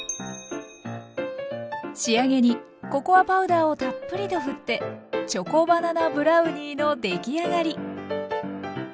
仕上げにココアパウダーをたっぷりと振ってチョコバナナブラウニーのできあがり！